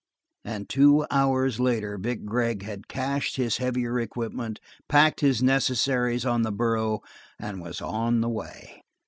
And two hours later Vic Gregg had cached his heavier equipment, packed his necessaries on the burro, and was on the way.